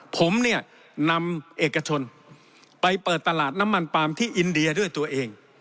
ผมเนี่ยนำเอกชนไปเปิดตลาดน้ำมันปาล์มที่อินเดียด้วยตัวเอง